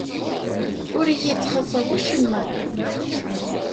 Ur iyi-ttxaṣṣa wacemma.